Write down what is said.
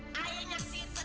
kau kena itu baik